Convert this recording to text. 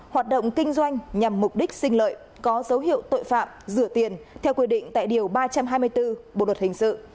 hoạt động kinh doanh nhằm mục đích sinh lợi có dấu hiệu tội phạm rửa tiền theo quy định tại điều ba trăm hai mươi bốn bộ luật hình sự